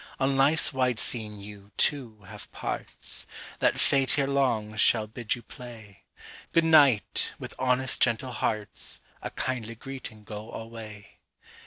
On life's wide scene you, too, have parts, That Fate ere long shall bid you play; Good night! with honest gentle heartsA kindly greeting go alway!